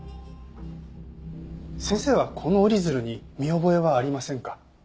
先生はこの折り鶴に見覚えはありませんか？